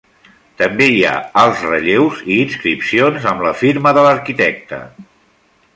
També hi ha alts relleus i inscripcions amb la firma de l'arquitecte.